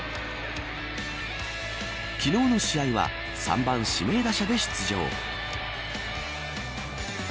昨日の試合は３番指名打者で出場。